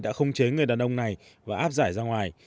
đã không chế người đàn ông này và áp giải ra ngoài